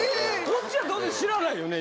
こっちは当然知らないよね？